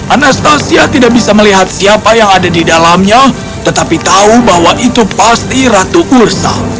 anastasia tidak bisa melihat siapa yang ada di dalamnya tetapi tahu bahwa itu pasti ratu ursa